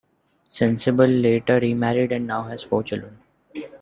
Sensible later remarried and now has four children.